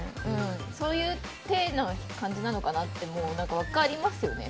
そういう体の感じなのかなって分かりますよね。